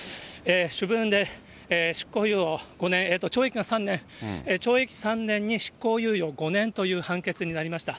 主文で、執行猶予５年、懲役が３年、懲役３年に執行猶予５年という判決になりました。